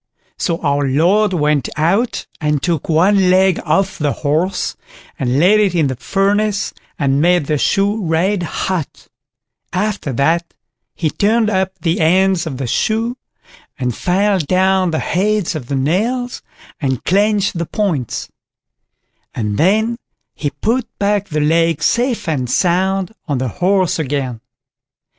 So our Lord went out and took one leg off the horse, and laid it in the furnace, and made the shoe red hot; after that, he turned up the ends of the shoe, and filed down the heads of the nails, and clenched the points; and then he put back the leg safe and sound on the horse again.